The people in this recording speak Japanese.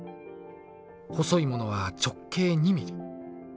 細いものは直径２ｍｍ。